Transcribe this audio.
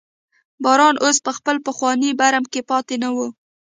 باران اوس په خپل پخواني برم کې پاتې نه و.